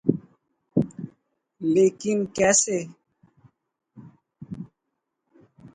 لیکن کیسے؟